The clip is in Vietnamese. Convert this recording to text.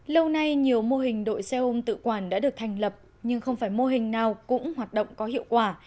lâu nay nhiều mô hình đội xe ôm tự quản đã được thành lập nhưng không phải mô hình nào cũng hoạt động có hiệu quả